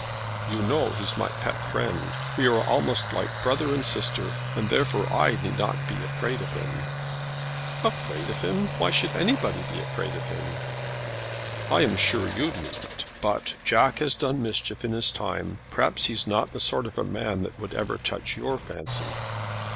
"You know he's my pet friend. We are almost like brother and sister, and therefore I need not be afraid of him." "Afraid of him! Why should anybody be afraid of him?" "I am sure you needn't. But Jack has done mischief in his time. Perhaps he's not the sort of man that would ever touch your fancy."